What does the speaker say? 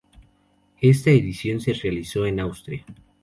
Esta edición se realizó en Austria.